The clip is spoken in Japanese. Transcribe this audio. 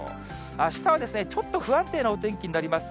あしたはちょっと不安定なお天気になります。